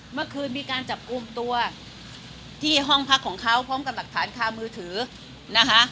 เมื่อคืนมีการจับกลุ่มตัวที่ห้องพักของเขาพร้อมกับหลักฐานคามือถือนะคะ